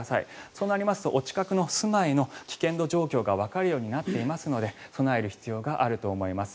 そうなりますとお近くの住まいの危険度状況がわかるようになっていますので備える必要があると思います。